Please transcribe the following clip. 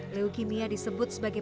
leukimia disebut sebagai